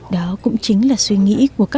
đó cũng chính là suy nghĩ của các thầy cô giáo